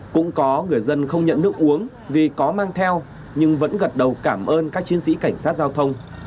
cũng có người dân không nhận nước uống vì có mang theo nhưng vẫn gật đầu cảm ơn các chiến sĩ cảnh sát giao thông